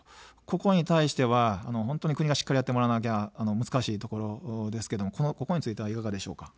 ここに対しては国がしっかりやってもらわなきゃ難しいところですけど、ここはいかがですか。